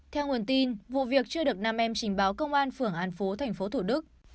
theo nguồn tin vụ việc chưa được nam em trình báo công an phường an phú thành phố thủ đức